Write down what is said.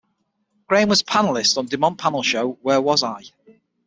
Graham was a panelist on the DuMont panel show Where Was I?